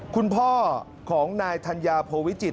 คุณพ่อของนายธัญญาโพวิจิต